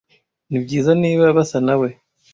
nibyiza niba basa nawe